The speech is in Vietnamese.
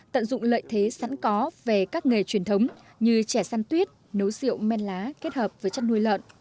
tận dụng lợi thế sẵn có về các nghề truyền thống như trè san tuyết nấu rượu men lá kết hợp với chất nuôi lợn